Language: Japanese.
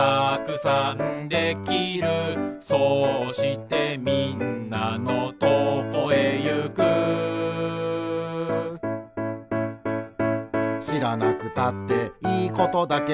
「そうしてみんなのとこへゆく」「しらなくたっていいことだけど」